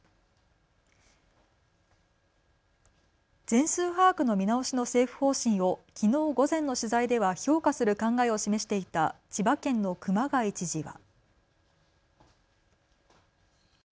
全数把握の見直しの政府方針をきのう午前の取材では評価する考えを示していた千葉県の熊谷知事は。